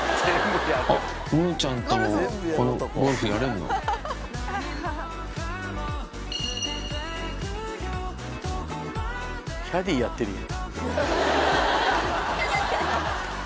あっむぅちゃんともこのゴルフやれんの？キャディーやってるよ。